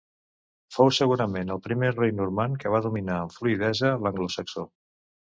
Fou segurament el primer rei normand que va dominar amb fluïdesa l'anglosaxó.